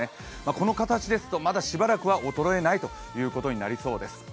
この形だとまだしばらくは衰えないということになりそうです。